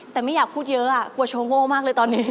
แต่ไม่อยากพูดเยอะกลัวโชโง่มากเลยตอนนี้